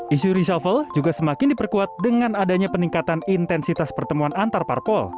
isu reshuffle juga semakin diperkuat dengan adanya peningkatan intensitas pertemuan antarparpol